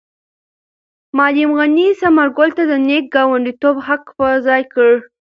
معلم غني ثمر ګل ته د نېک ګاونډیتوب حق په ځای کړ.